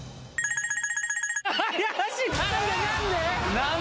何で！？